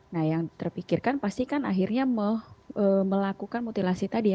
nah yang terpikirkan pasti kan akhirnya melakukan mutilasi tadi ya